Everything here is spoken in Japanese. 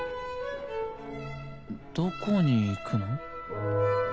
どこに行くの？